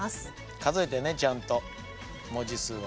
数えてねちゃんと文字数を。